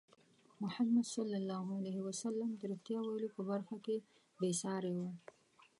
محمد صلى الله عليه وسلم د رښتیا ویلو په برخه کې بې ساری وو.